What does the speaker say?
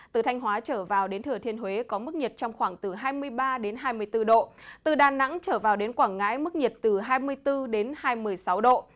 từ thanh hóa trở vào đến thừa thiên huế có mức nhiệt trong khoảng từ hai mươi ba đến hai mươi bốn độ